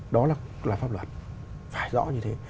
đó là pháp luật phải rõ như thế